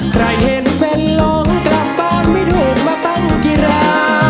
ใครเห็นเป็นหลงกลับบ้านไม่ถูกมาตั้งกีฬา